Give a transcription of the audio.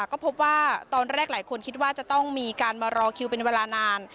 ก็พบว่าตอนแรกหลายคนคิดว่าจะต้องมีการมารอคิวเป็นเวลานาน